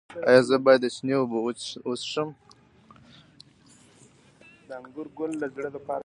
ایا زه باید د چینې اوبه وڅښم؟